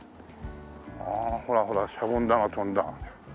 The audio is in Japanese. ああほらほらシャボン玉飛んだ。